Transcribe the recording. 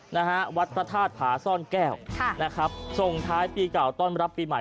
นะฮะวัดพระธาตุผาซ่อนแก้วค่ะนะครับส่งท้ายปีเก่าต้อนรับปีใหม่